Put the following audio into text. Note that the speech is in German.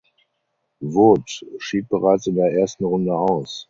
Wood schied bereits in der ersten Runde aus.